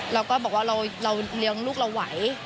เราก็บอกว่าเราเลี้ยงลูกเราไหว